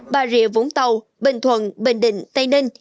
bà rịa vũng tàu bình thuận bình định tây ninh